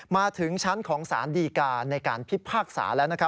มาถึงชั้นของสารดีการในการพิพากษาแล้ว